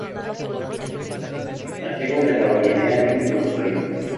Nativo de Nueva Guinea y Australia.